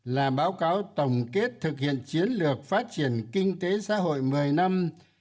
là báo cáo tổng kết thực hiện chiến lược phát triển kinh tế xã hội một mươi năm